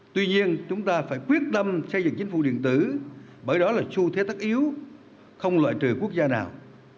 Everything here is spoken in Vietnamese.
tuy nhiên chúng ta phải quyết tâm xây dựng chính phủ điện tử bởi đó là xu thế tất yếu không loại trừ quốc gia nào